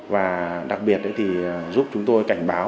và đặc biệt thì giúp chúng tôi cảnh báo